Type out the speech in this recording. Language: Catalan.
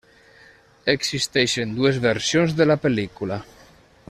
Existeixen dues versions de la pel·lícula.